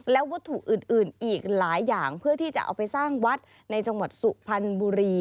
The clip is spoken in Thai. และวัตถุอื่นอีกหลายอย่างเพื่อที่จะเอาไปสร้างวัดในจังหวัดสุพรรณบุรี